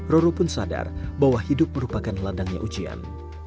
roro pun sadar bahwa hidup merupakan ladangnya ujian